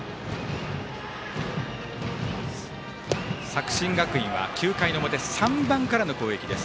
作新学院は９回の表３番からの攻撃です。